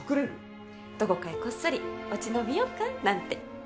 どこかへこっそり落ち延びようか、なんて。